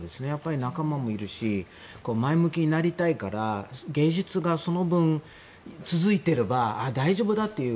仲間もいるし前向きになりたいから芸術がその分続いていれば大丈夫だという。